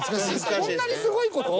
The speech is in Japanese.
そんなにすごい事？